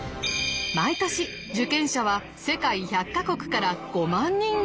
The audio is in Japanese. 毎年受験者は世界１００か国から５万人以上。